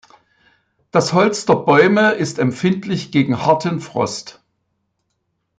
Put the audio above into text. Das Holz der Bäume ist empfindlich gegen harten Frost.